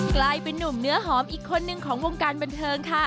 กลายเป็นนุ่มเนื้อหอมอีกคนนึงของวงการบันเทิงค่ะ